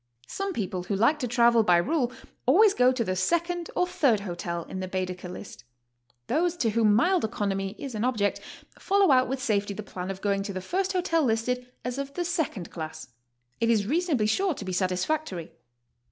Some people who like to travel by rule always go to the second or third hotel in the Baedeker list. Those to whom mild economy is an object, follow out with safety the plan of going to the first hotel listed as of the second class: it is reasonably sure to be satisfactory.